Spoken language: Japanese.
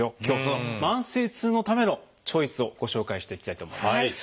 今日はその慢性痛のためのチョイスをご紹介していきたいと思います。